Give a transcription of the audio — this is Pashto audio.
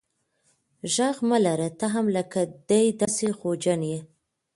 ږغ مه لره ته هم لکه دی داسي خوجن یې.